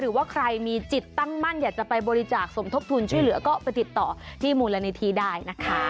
หรือว่าใครมีจิตตั้งมั่นอยากจะไปบริจาคสมทบทุนช่วยเหลือก็ไปติดต่อที่มูลนิธิได้นะคะ